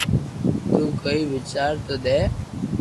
تو ڪوئئي وچار ديئي دي